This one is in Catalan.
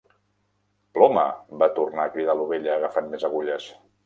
"Ploma!", va tornar a cridar l'Ovella agafant més agulles.